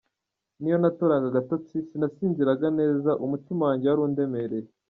N’iyo natoraga agatotsi sinasinziraga neza, umutima wanjye wari undemereye.